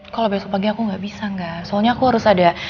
kalo besok pagi aku gak bisa gak soalnya aku harus ada